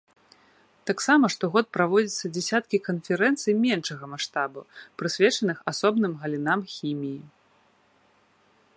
Таксама штогод праводзяцца дзясяткі канферэнцый меншага маштабу, прысвечаных асобным галінам хіміі.